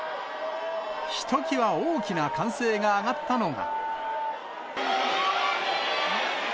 ひときわ大きな歓声が上がったのが。